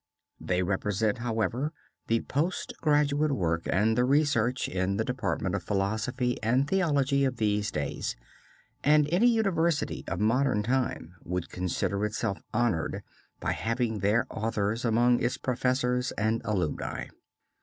They represent, however, the post graduate work and the research in the department of philosophy and theology of these days, and any university of modern time would consider itself honored by having their authors among its professors and alumni.